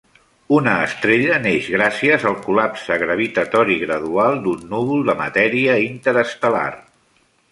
Una estrella neix gràcies al col·lapse gravitatori gradual d'un núvol de matèria interestel·lar.